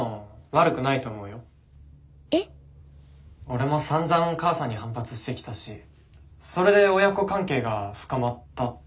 ・俺もさんざん母さんに反発してきたしそれで親子関係が深まったってのもあるから。